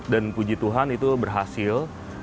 dan puji tuhan itu berhasil